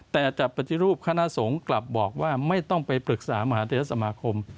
แต่จะปฏิรูปคณะสงฆ์กลับบอกว่าไม่ต้องไปปรึกษามหาเทศสมาคม